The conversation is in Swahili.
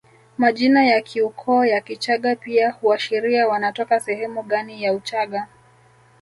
Majina ya kiukoo ya Kichagga pia huashiria wanatoka sehemu gani ya Uchaga